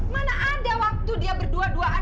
mana ada waktu dia berdua duaan